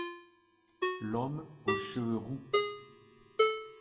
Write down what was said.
L’homme aux cheveux roux.